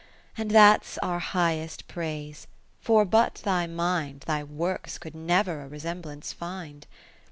And that's our highest praise, for but thy mind. Thy works could never a resem blance find.